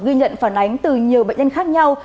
ghi nhận phản ánh từ nhiều bệnh nhân khác nhau